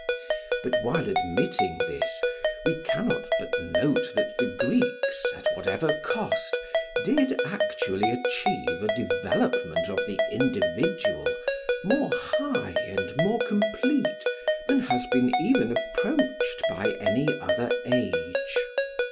But while admitting this, we cannot but note that the Greeks, at whatever cost, did actually achieve a development of the individual more high and more complete than has been even approached by any other age.